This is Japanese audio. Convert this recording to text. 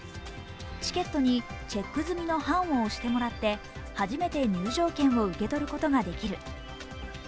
チケットにチェック済みの判を押してもらって初めて入場券を受け取ることができる。